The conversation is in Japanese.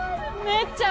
めっちゃ。